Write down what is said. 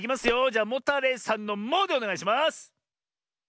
じゃモタレイさんの「モ」でおねがいします！